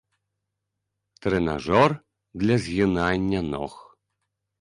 Трэнажор для згінання ног.